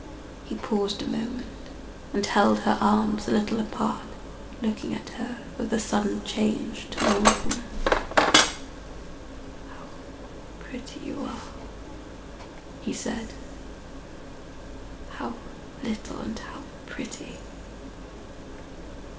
He paused a moment, and held her arms a little apart, looking at her with a sudden change to mournfulness. "How pretty you are!" he said. "How little and how pretty!